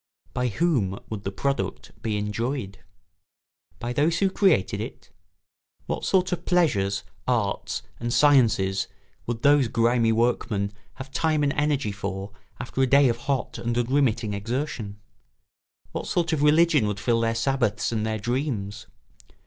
By whom would the product be enjoyed? By those who created it? What sort of pleasures, arts, and sciences would those grimy workmen have time and energy for after a day of hot and unremitting exertion? What sort of religion would fill their Sabbaths and their dreams?